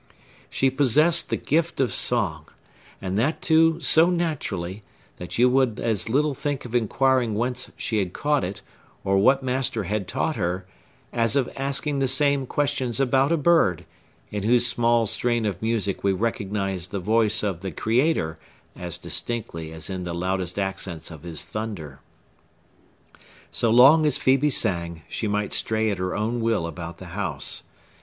She possessed the gift of song, and that, too, so naturally, that you would as little think of inquiring whence she had caught it, or what master had taught her, as of asking the same questions about a bird, in whose small strain of music we recognize the voice of the Creator as distinctly as in the loudest accents of his thunder. So long as Phœbe sang, she might stray at her own will about the house.